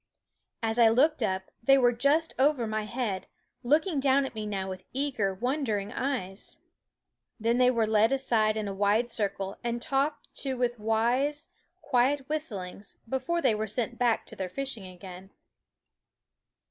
As I looked up they were just over my head, looking down at me now with eager, wondering eyes. Then they were led aside in a wide circle and talked to with wise, quiet whistlings before they were sent back to their fishing again.